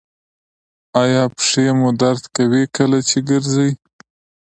ایا پښې مو درد کوي کله چې ګرځئ؟